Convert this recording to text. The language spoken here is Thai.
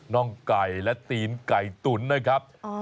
่องไก่และตีนไก่ตุ๋นนะครับ